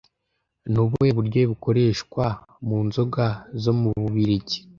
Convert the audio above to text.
Ni ubuhe buryohe bukoreshwa mu nzoga zo mu Bubiligi